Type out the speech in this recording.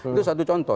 itu satu contoh